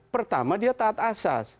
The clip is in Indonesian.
pertama dia taat asas